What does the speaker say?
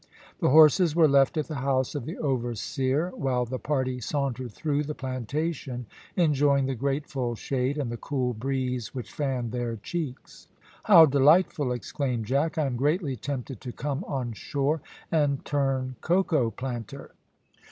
The horses were left at the house of the overseer while the party sauntered through the plantation enjoying the grateful shade, and the cool breeze which fanned their cheeks. "How delightful!" exclaimed Jack. "I am greatly tempted to come on shore, and turn cocoa planter."